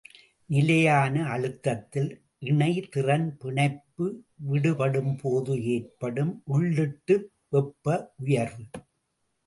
நிலையான அழுத்தத்தில் இணைதிறன் பிணைப்பு விடுபடும் போது ஏற்படும் உள்ளிட்டு வெப்ப உயர்வு.